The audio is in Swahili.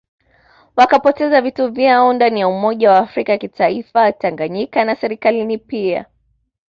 Wakapoteza vitu vyao ndani ya umoja wa afrika kitaifa Tanganyika na Serikalini pia